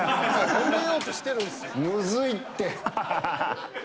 止めようとしてるんすよ。